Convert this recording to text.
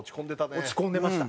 落ち込んでました。